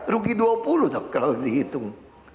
rugi dua puluh kalau dihitung